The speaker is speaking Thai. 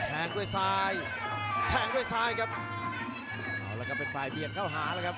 แทงด้วยซ้ายแทงด้วยซ้ายครับเอาละครับเป็นฝ่ายเบียดเข้าหาแล้วครับ